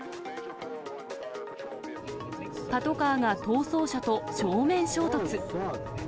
パトカーが逃走車と正面衝突。